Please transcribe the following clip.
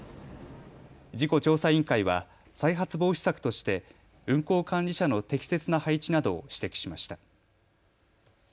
事故調査委員会は再発防止策として運行管理者の適切な配置などを指摘しました。